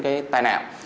cái tai nạn